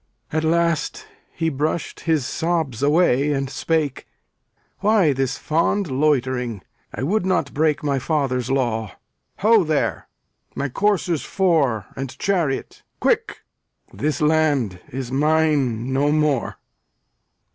At last he brushed his sobs away, and spake: "Why this fond loitering? I would not break My Father's law Ho, there! My coursers four And chariot, quick! This land is mine no more."